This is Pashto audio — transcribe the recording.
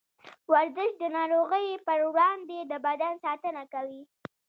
ورزش د نارغيو پر وړاندې د بدن ساتنه کوي.